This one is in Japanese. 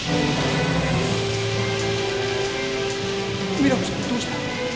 実那子ちゃんどうした？